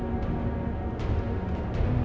bikin kondisinya makin teruk